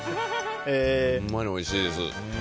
ほんまにおいしいです。